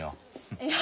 いや。